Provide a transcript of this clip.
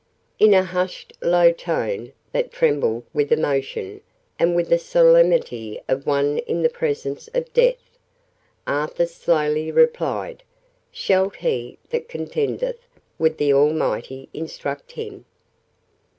In a hushed, low tone, that trembled with emotion, and with the solemnity of one in the presence of death, Arthur slowly replied "Shalt he that contendeth with the Almighty instruct him?